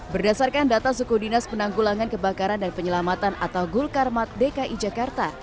berdasarkan data suku dinas penanggulangan kebakaran dan penyelamatan atau gulkarmat dki jakarta